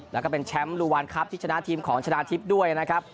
แล้วก็เป็นแชมป์ลูวานครับที่ชนะทีมของชนะทิพย์ด้วยนะครับ